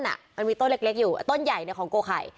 มันมีต้นเล็กอยู่ต้นใหญ่ของโกไข่